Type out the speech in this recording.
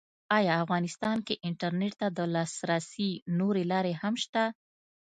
ایا افغانستان کې انټرنېټ ته د لاسرسي نورې لارې هم شته؟